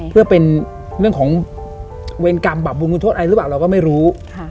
เพื่อเป็นเรื่องของเวรกรรมบาปบุญคุณโทษอะไรหรือเปล่าเราก็ไม่รู้